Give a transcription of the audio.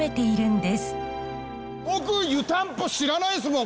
僕湯たんぽ知らないですもん